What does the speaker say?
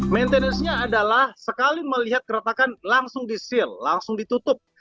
maintenance nya adalah sekali melihat keretakan langsung disil langsung ditutup